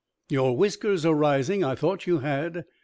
"Your whiskers are rising. I thought you had."